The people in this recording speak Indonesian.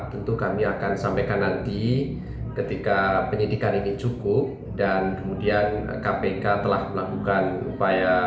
tentu kami akan sampaikan nanti ketika penyidikan ini cukup dan kemudian kpk telah melakukan upaya